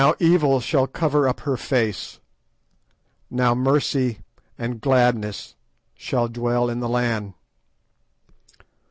"Now Evil shall cover up her face, now Mercy and Gladness shall dwell in the land.